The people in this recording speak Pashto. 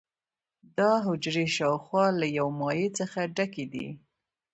دا حجرې شاوخوا له یو مایع څخه ډکې دي.